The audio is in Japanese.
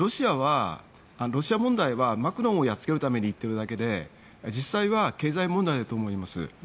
ロシア問題はマクロンをやっつけるために言ってるだけで実際は経済問題だと思います。